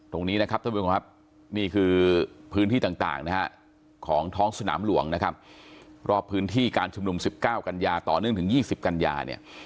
ตรงนี้นะครับท่านผู้หญิงนี่คือพื้นที่ต่างของท้องสนามหลวงรอบพื้นที่การชมนม๑๙กันยาต่อเนื่องถึง๒๐กันยา